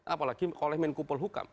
apalagi oleh menkupul hukum